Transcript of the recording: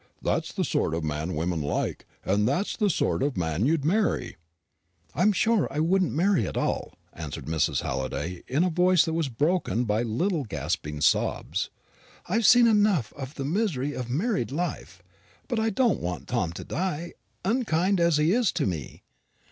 That's the sort of man women like, and that's the sort of man you'd marry." "I'm sure I shouldn't marry at all," answered Mrs. Halliday, in a voice that was broken by little gasping sobs. "I have seen enough of the misery of married life. But I don't want Tom to die, unkind as he is to me.